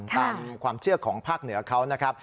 ตามความเชื่อของภาคเหนือเขานะครับ